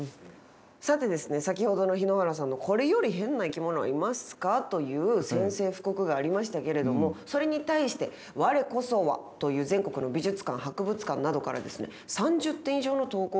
さて先ほどの日野原さんのこれよりヘンな生きものはいますか？という宣戦布告がありましたけれどもそれに対して我こそはという全国の美術館・博物館などから３０点以上の投稿があったそうなんですが。